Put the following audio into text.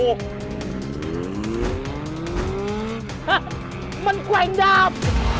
ฮะมันแกว่งดาบ